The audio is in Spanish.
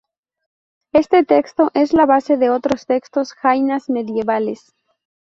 Este texto es la base de otros textos jainas medievales.